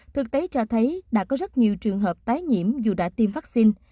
thực tế cho thấy đã có rất nhiều trường hợp tái nhiễm dù đã tiêm vaccine